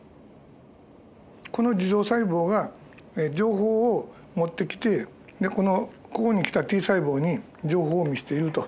この樹状細胞が情報を持ってきてでこのここに来たＴ細胞に情報を見していると。